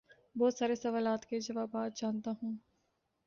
بہت سارے سوالات کے جوابات جانتا ہوں